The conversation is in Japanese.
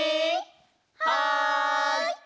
はい。